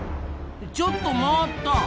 ちょっと待った！